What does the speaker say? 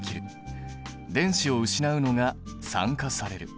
電子を失うのが酸化される。